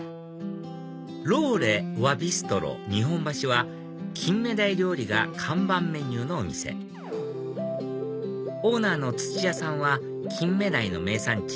ＬＯＲＥ和ビストロＮＩＨＯＮＢＡＳＨＩはキンメダイ料理が看板メニューのお店オーナーの土屋さんはキンメダイの名産地